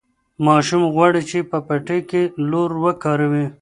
ماشوم غواړي چې په پټي کې لور وکاروي.